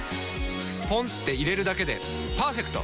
ポンって入れるだけでパーフェクト！